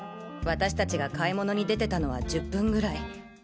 私達が買い物に出てたのは１０分ぐらい。